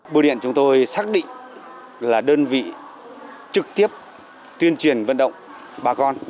bưu điện chúng tôi xác định là đơn vị trực tiếp tuyên truyền vận động bà con